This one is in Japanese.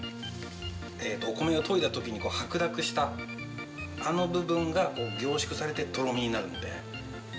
お米を研いだ時に白濁したあの部分が凝縮されてとろみになるので。